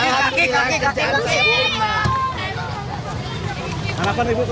lebih baik untuk indonesia